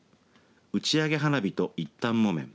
打ち上げ花火と一反木綿。